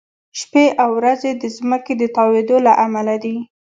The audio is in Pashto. شپې او ورځې د ځمکې د تاوېدو له امله دي.